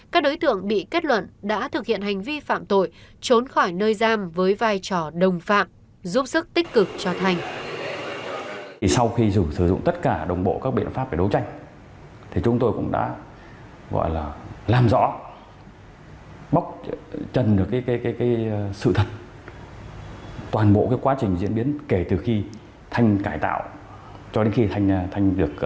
các đối tượng bị kết luận đã thực hiện hành vi phạm tội trốn khỏi nơi giam với vai trò đồng phạm giúp sức tích cực cho thanh